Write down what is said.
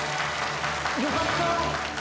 よかった。